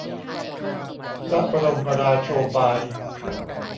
พระบรมราโชบาย